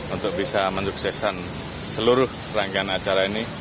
untuk bisa menyuksesan seluruh rangkaian acara ini